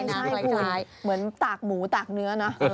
เหมือนตากหมูตากเนื้อนะ